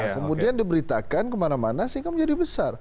kemudian diberitakan kemana mana sehingga menjadi besar